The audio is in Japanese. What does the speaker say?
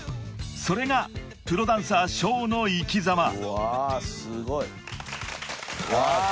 ［それがプロダンサーＳＨＯの生きざま］わすごい。